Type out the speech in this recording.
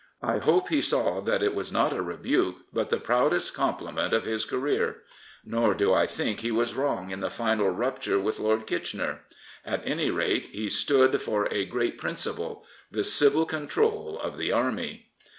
I hope he saw that it was not a rebuke, but the proudest compliment of his career. Nor do I think he was wrong in the final rupture with Lord Kitchener. At any rate, he stood for a great principle — the civil control of the Army.